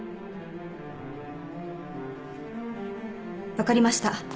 分かりました。